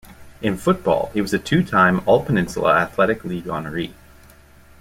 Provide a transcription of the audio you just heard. In football, he was a two-time All-Peninsula Athletic League honoree.